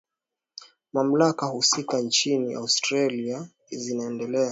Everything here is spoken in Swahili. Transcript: mamlaka husika nchini australia zinaendelea